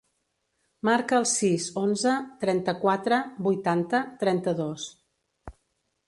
Marca el sis, onze, trenta-quatre, vuitanta, trenta-dos.